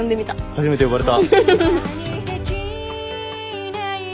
初めて呼ばれた。